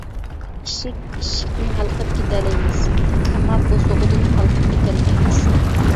ئىشىك، ئىشىكتىن ھالقىپ كېتەلەيمىز، ئەمما بوسۇغىدىن ھالقىپ ئۆتەلمەيمىز.